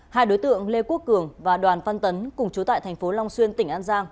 hai đối tượng lê quốc cường và đoàn văn tấn cùng chú tại thành phố long xuyên tỉnh an giang